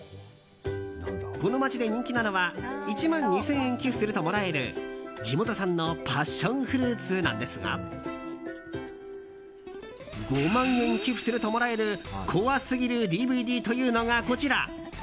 この町で人気なのは１万２０００円寄付するともらえる地元産のパッションフルーツなんですが５万円寄付するともらえるコアすぎるＤＶＤというのがこちら。